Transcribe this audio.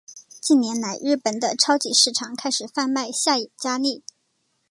近年来日本的超级市场开始贩卖下野家例。